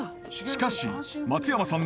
しかし松山さん